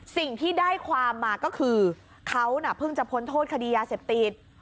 สิ่งที่ได้ความมาก็คือเขาน่ะเพิ่งจะพ้นโทษคดียาเสพติด